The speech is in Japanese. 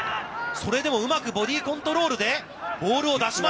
それでもうまくボディーコントロールでボールを出します。